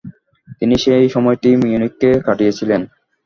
তিনি সেই সময়টি মিউনিকে কাটিয়েছিলেন।